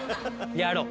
やろう。